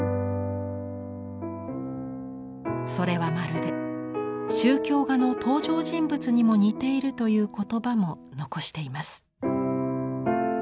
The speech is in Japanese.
それはまるで宗教画の登場人物にも似ているという言葉も残しています。